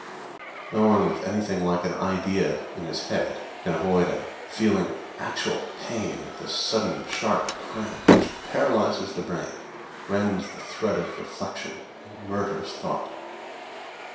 No one with anything like an idea in his head can avoid a feeling of actual pain at this sudden, sharp crack, which paralyzes the brain, rends the thread of reflection, and murders thought.